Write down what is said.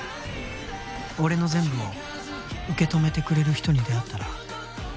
「俺の全部を受け止めてくれる人に出会ったら」